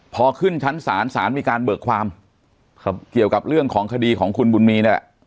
พอขึ้นชั้นศาลศาลมีการเบิกความเกี่ยวกับเรื่องของคดีของคุณบุญมีนี่แหละ